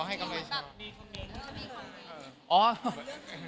อ๋อให้เขามาดู